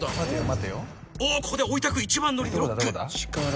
おぉここでおいたく一番乗りでロック。